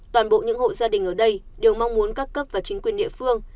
toàn bộ những hộ gia đình ở đây đều mong muốn các cấp và chính quyền địa phương